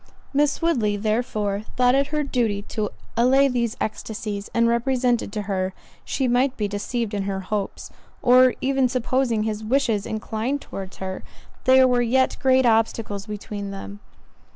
Miss Woodley, therefore, thought it her duty to allay these ecstasies, and represented to her, she might be deceived in her hopes—or even supposing his wishes inclined towards her, there were yet great obstacles between them.